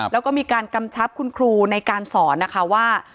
แล้วก็มีการกำชับคุณครูในการสอนนะคะว่า